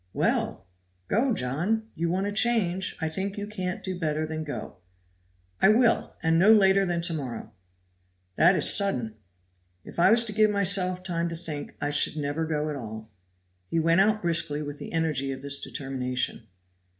"Well! go, John! you want a change. I think you can't do better than go." "I will, and no later than to morrow." "That is sudden." "If I was to give myself time to think, I should never go at all." He went out briskly with the energy of this determination.